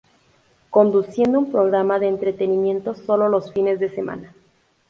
Conduciendo un programa de entretenimiento solo los fines de semana.